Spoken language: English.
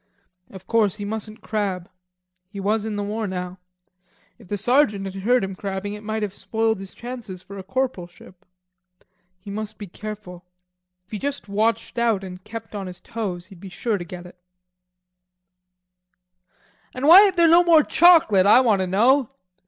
Of course he mustn't crab. He was in the war now. If the sergeant had heard him crabbing, it might have spoiled his chances for a corporalship. He must be careful. If he just watched out and kept on his toes, he'd be sure to get it. "And why ain't there no more chocolate, I want to know?"